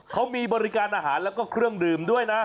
เขามีบริการอาหารแล้วก็เครื่องดื่มด้วยนะ